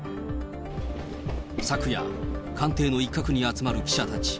昨夜、官邸の一角に集まる記者たち。